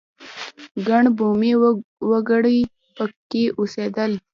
ګڼ بومي وګړي په کې اوسېدل.